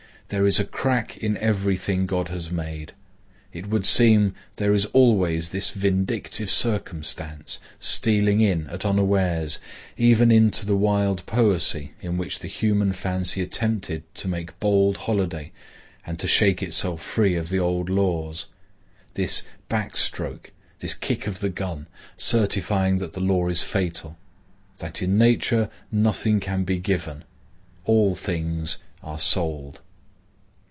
There is a crack in every thing God has made. It would seem there is always this vindictive circumstance stealing in at unawares even into the wild poesy in which the human fancy attempted to make bold holiday and to shake itself free of the old laws,—this back stroke, this kick of the gun, certifying that the law is fatal; that in nature nothing can be given, all things are sold.